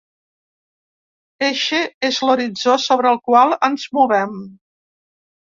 Eixe és l’horitzó sobre el qual ens movem.